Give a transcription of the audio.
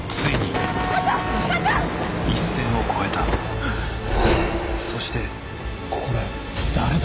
課長‼一線を越えたそしてこれ誰だ？